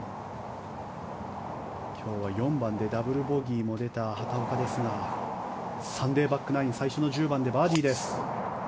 今日は４番でダブルボギーも出た畑岡ですがサンデーバックナイン最初の１０番でバーディーです。